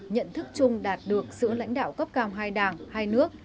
nhận thức chung đạt được sự lãnh đạo cấp cao hai đảng hai nước